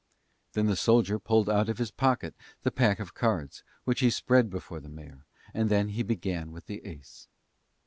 Then the soldier pulled out of his pocket the pack of cards, which he spread before the mayor, and then began with the ace.